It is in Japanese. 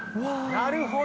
なるほど！